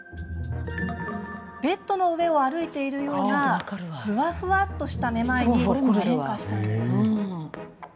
ベッドの上を歩いているようなフワフワとしためまいに変化したのです。